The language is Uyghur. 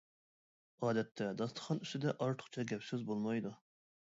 ئادەتتە داستىخان ئۈستىدە ئارتۇقچە گەپ-سۆز بولمايدۇ.